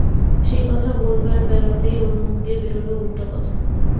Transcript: সেই কথা বলবার বেলাতেই ওর মুখ দিয়ে বেরল উলটো কথা।